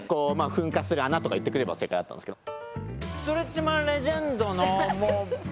噴火する穴とか言ってくれれば正解だったんですけど。